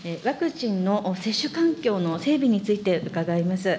ワクチンの接種環境の整備について伺います。